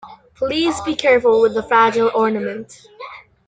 Please be careful with the fragile ornament.